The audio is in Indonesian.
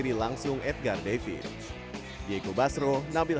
kita akan mencapai kesempatan yang lebih baik